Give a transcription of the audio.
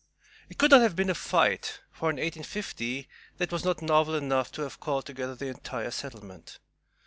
It could not have been a fight, for in 1850 that was not novel enough to have called together the entire settlement.